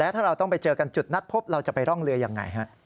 ถ้าเราต้องไปเจอกันจุดนัดพบเราจะไปร่องเรือยังไงฮะ